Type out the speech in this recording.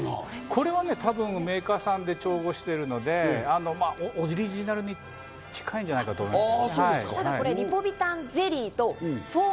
これはメーカーさんで調合しているので、オリジナルに近いんじゃないかと思います。